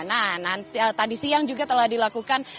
nah tadi siang juga telah dilakukan